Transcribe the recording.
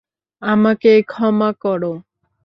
আমাকে ক্ষমা করো?